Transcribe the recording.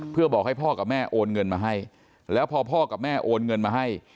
เพื่อบอกให้พ่อกับแม่โอนเงินมาให้แล้วพอพ่อกับแม่โอนเงินมาให้